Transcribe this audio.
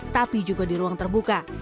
tapi juga di ruang terbuka